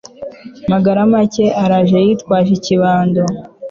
magara make arajeyitwaje ikibando